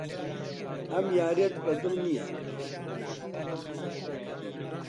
ئەم یارییەت بەدڵ نییە.